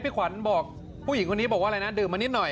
พี่ขวัญพูดเองบอกผู้หญิงคนนี้บอกดื่มมานิดหน่อย